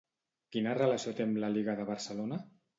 Quina relació té amb l'Àliga de Barcelona?